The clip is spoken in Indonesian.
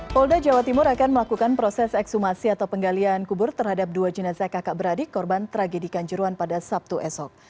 polda jawa timur akan melakukan proses ekshumasi atau penggalian kubur terhadap dua jenazah kakak beradik korban tragedi kanjuruan pada sabtu esok